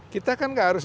kita kan gak harus